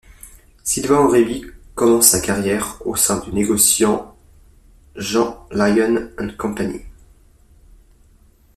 Sylvain Orebi commence sa carrière au sein du négociant Jean Lion & Cie.